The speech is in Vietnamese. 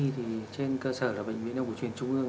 thì trên cơ sở là bệnh viện y học cổ truyền trung ương